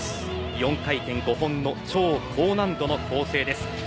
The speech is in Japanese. ４回転５本の超高難度の構成です。